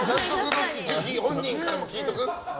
本人からも聞いとく？